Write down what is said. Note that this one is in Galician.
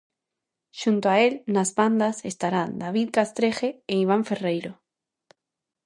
Xunto a el, nas bandas, estarán David Castreje e Iván Ferreiro.